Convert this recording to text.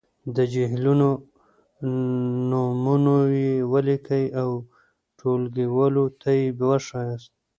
د جهیلونو نومونويې ولیکئ او ټولګیوالو ته یې وښایاست.